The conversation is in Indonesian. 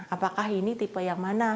apakah ini tipe yang mana